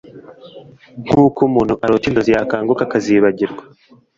nk'uko umuntu arota inzozi yakanguka akazibagirwa